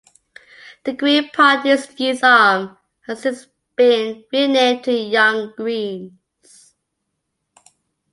The Green Party's youth arm has since been renamed to Young Greens.